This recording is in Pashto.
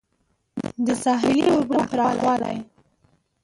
د ساحلي اوبو پراخوالی